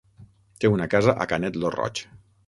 Té una casa a Canet lo Roig.